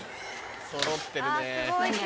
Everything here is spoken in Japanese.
そろってるね。